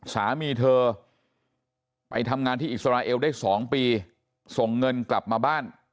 สามีเธอไปทำงานที่อิสราเอลได้๒ปีส่งเงินกลับมาบ้าน